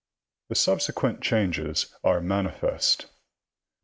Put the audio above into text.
The subsequent changes are manifest.